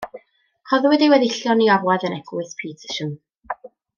Rhoddwyd ei weddillion i orwedd yn Eglwys Petersham.